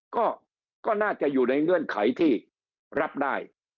ก็น่าจะอยู่ในเงื่อนไขที่รับได้